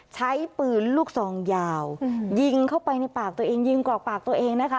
ใช้ปืนลูกซองยาวยิงเข้าไปในปากตัวเองยิงกรอกปากตัวเองนะคะ